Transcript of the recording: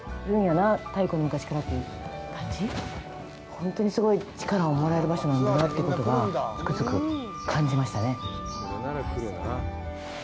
本当にすごい力をもらえる場所なんだなってことがつくづく感じましたね。